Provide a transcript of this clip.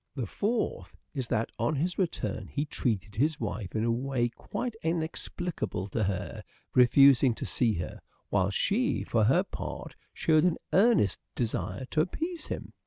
The fourth is that on his return he treated his wife in a way quite inexplicable to her, refusing to see her ; whilst she, for her part, showed an earnest desire to appease him.